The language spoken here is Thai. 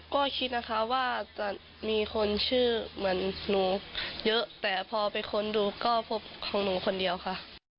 ก็คิดนะคะว่าจะมีคนชื่อเหมือนหนูเยอะแต่พอไปค้นดูก็พบของหนูคนเดียวค่ะ